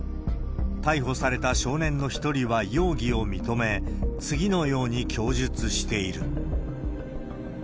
逮捕された少年の１人は容疑を認め、次のように供述している。